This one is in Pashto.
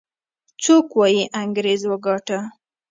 څوک وايي انګريز وګاټه.